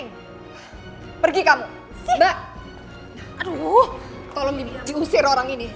kek gini yang kamu pakai udah pras laquelle demikian kan warimu gw nih